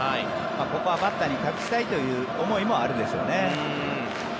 ここはバッターに託したいという思いもあるでしょうね。